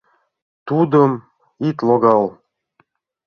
— Тудым ит логал!..